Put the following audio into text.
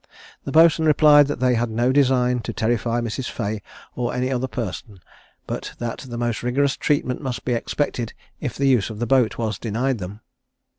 The boatswain replied that they had no design to terrify Mrs. Fea, or any other person; but that the most rigorous treatment must be expected if the use of the boat was denied them.